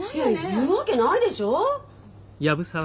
言うわけないでしょう？